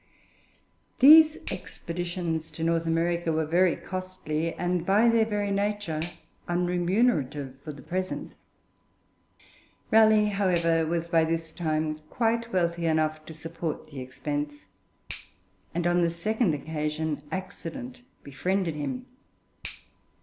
These expeditions to North America were very costly, and by their very nature unremunerative for the present. Raleigh, however, was by this time quite wealthy enough to support the expense, and on the second occasion accident befriended him.